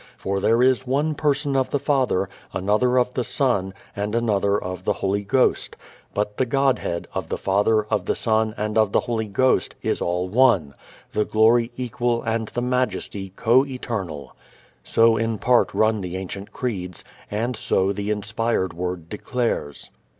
For there is one Person of the Father, another of the Son, and another of the Holy Ghost. But the Godhead of the Father, of the Son, and of the Holy Ghost, is all one: the glory equal and the majesty co eternal." So in part run the ancient creeds, and so the inspired Word declares.